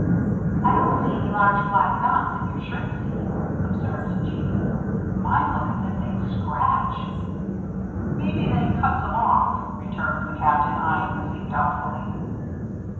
"I don't see any large black knots in your shirt seam," observed Jeanne. "Mine look as if they'd scratch." "Maybe they cuts 'em off," returned the Captain, eying the seam, doubtfully.